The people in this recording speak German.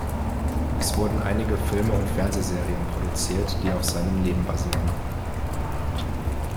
Es wurden einige Filme und Fernsehserien produziert, die auf seinem Leben basieren.